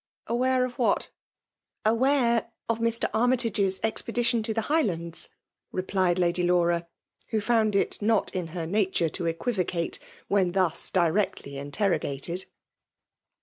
'* Aware of what?" ^' Aware of Mr. Armytage's expedition to the. Highlands,*^ replied Lady Laura> who fp^hd it not in her nature to equivocate, when thus directly interrogated.